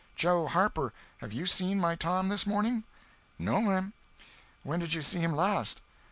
"Joe Harper, have you seen my Tom this morning?" "No'm." "When did you see him last?"